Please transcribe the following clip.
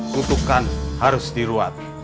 kutukan harus diruat